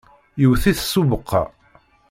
yewwet-it s ubeqqa.